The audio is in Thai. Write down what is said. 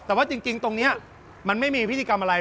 แต่ว่าจริงตรงนี้มันไม่มีพิธีกรรมอะไร